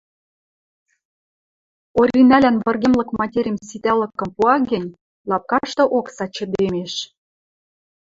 Оринӓлӓн выргемлык материм ситӓлыкым пуа гӹнь, лапкашты окса чӹдемеш